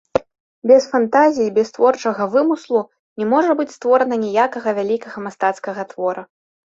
Без фантазіі, без творчага вымыслу не можа быць створана ніякага вялікага мастацкага твора.